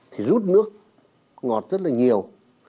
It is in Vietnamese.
thì rút nước ngọt rất là nhiều